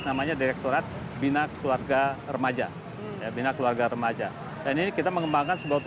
namanya direkturat binak keluarga remaja binak keluarga remaja ini kita mengembangkan sebuah